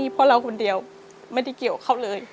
ใช่ค่ะ